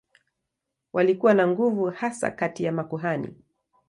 Walikuwa na nguvu hasa kati ya makuhani.